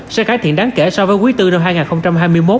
sẽ khá thiện đáng kể so với quý bốn năm hai nghìn hai mươi một